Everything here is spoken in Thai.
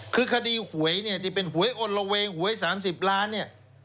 คือคดีหวยเนี่ยที่เป็นหวยอลละเวงหวย๓๐ล้านเนี่ย